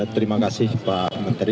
terima kasih pak menteri